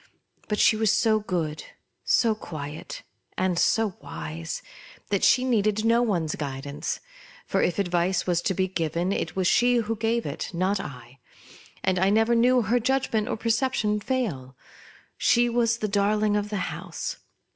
But she was so good, so quiet, and so wise, that she needed no one's guidance ; for if advice was to be given, it was she who gave it, not I ; and I never knew her judgment or perception fail. She was the darling of the house.